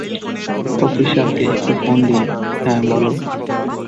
অফিসারকে একটু ফোন দিন হ্যাঁঁ, বলো।